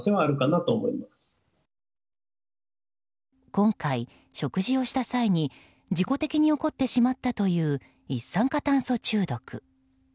今回、食事をした際に事故的に起こってしまったという一酸化炭素中毒。